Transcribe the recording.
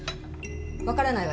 わからないわよ。